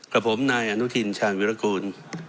กับผมนายอนุทินชาญวิรากูล